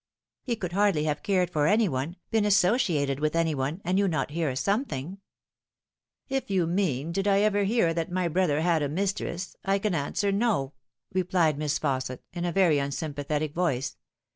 He could hardly have cared for any one been associ ated with any one and you not hear something "" If you mean did I ever hear that my brother had a mistress, I can answer no," replied Miss Fausset, in a very unsympathetic voice.